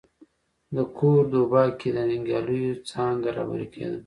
د کوردوبا کې د جنګیاليو څانګه رهبري کېده.